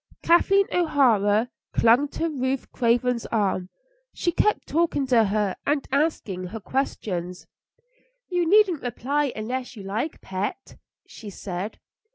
Kathleen O'Hara clung to Ruth Craven's arm; she kept talking to her and asking her questions. "You needn't reply unless you like, pet," she said.